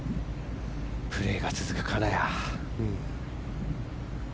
プレーが続く金谷。